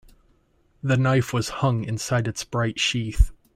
The knife was hung inside its bright sheath.